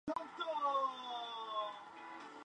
Hay transportes para Asunción Mita.